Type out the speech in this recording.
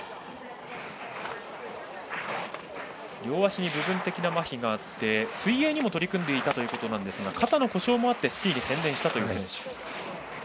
両足に部分的なまひがあって水泳にも取り組んでいたということですが肩の故障もあってスキーに専念した選手。